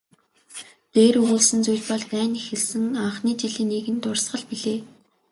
Дээр өгүүлсэн зүйл бол дайн эхэлсэн анхны жилийн нэгэн дуртгал билээ.